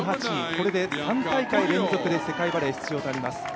これで３大会連続で世界バレー出場となります。